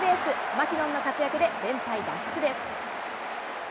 マキノンの活躍で、連敗脱出です。